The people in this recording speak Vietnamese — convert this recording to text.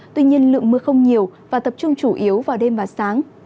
tuy nhiên lượng mưa không nhiều và tập trung chủ yếu vào đêm và sáng